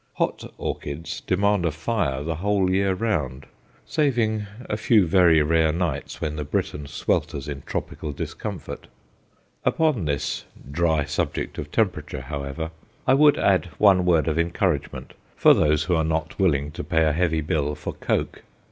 "Hot" orchids demand a fire the whole year round saving a few very rare nights when the Briton swelters in tropical discomfort. Upon this dry subject of temperature, however, I would add one word of encouragement for those who are not willing to pay a heavy bill for coke.